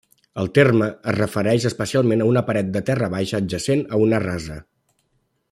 El terme es refereix especialment a una paret de terra baixa adjacent a una rasa.